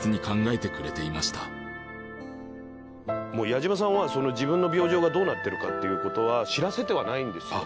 矢島さんは自分の病状がどうなってるかという事は知らせてはないんですよ。